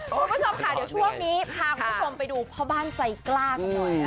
คุณผู้ชมค่ะเดี๋ยวช่วงนี้พาคุณผู้ชมไปดูพ่อบ้านใจกล้ากันหน่อย